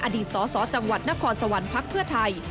อดีตสสจังหวัดนครสวรรค์พักเพื่อไทย